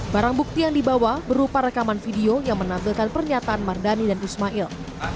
barang bukti yang dibawa berupa rekaman video yang menampilkan pernyataan mardani dan ismail